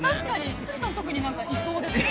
ひとりさん特にいそうですね。